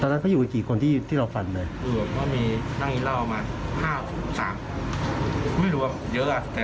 อ๋อแต่เราเล่นอยู่คนคนเดียวเนาะแล้วเพื่อนได้ช่วยเปล่า